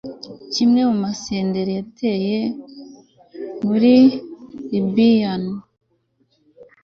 kimwe n'amasederi yateye yo muri libani